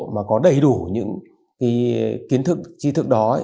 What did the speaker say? mà có đầy đủ những kiến thức trí thức đó